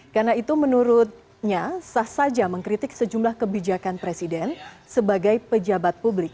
karena itu menurutnya sah saja mengkritik sejumlah kebijakan presiden sebagai pejabat publik